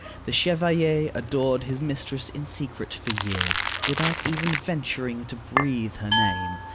The chevalier adored his mistress in secret for years, without even venturing to breathe her name.